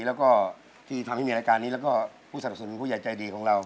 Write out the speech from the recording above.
แล้วก็ที่ทำให้มีรายการนี้แล้วก็ผู้สนับสนุนผู้ใหญ่ใจดีของเรา